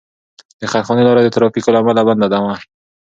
د خیرخانې لاره د ترافیکو له امله بنده وه.